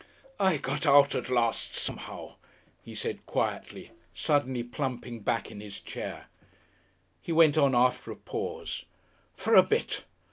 "I got out at last somehow," he said, quietly, suddenly plumping back in his chair. He went on after a pause. "For a bit.